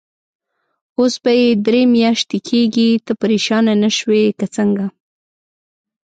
اوس به یې درې میاشتې کېږي، ته پرېشانه نه شوې که څنګه؟